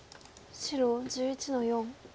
白１１の四。